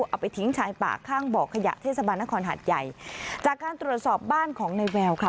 เอาไปทิ้งชายป่าข้างบ่อขยะเทศบาลนครหาดใหญ่จากการตรวจสอบบ้านของในแววค่ะ